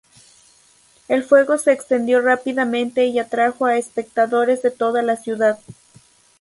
El fuego se extendió rápidamente y atrajo a espectadores de toda la ciudad.